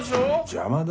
邪魔だ？